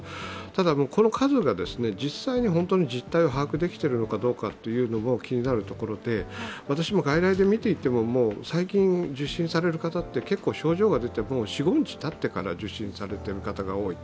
ただ、この数が実際に本当に実態を把握できているかが気になるところで、私も外来で診ていても、最近、受診される方って、結構、症が出て４５日たって受診されている方が多い。